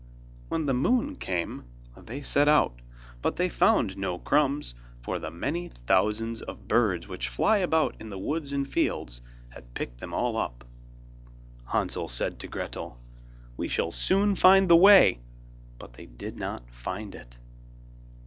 When the moon came they set out, but they found no crumbs, for the many thousands of birds which fly about in the woods and fields had picked them all up. Hansel said to Gretel: 'We shall soon find the way,' but they did not find it.